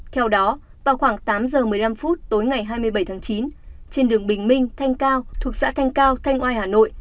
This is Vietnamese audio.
theo đó vào khoảng tám giờ một mươi năm phút tối ngày hai mươi bảy tháng chín trên đường bình minh thanh cao thuộc xã thanh cao thanh oai hà nội